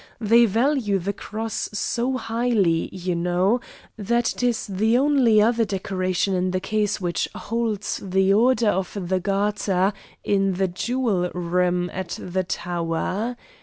They value the cross so highly, you know, that it is the only other decoration in the case which holds the Order of the Garter in the Jewel Room at the Tower.